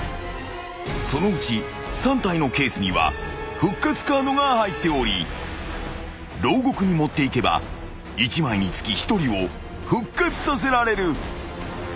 ［そのうち３体のケースには復活カードが入っており牢獄に持っていけば１枚につき１人を復活させられる］